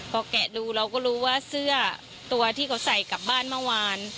พอแกะดูเราก็รู้ว่าเสื้อตัวที่เขาใส่กลับบ้านเมื่อวาน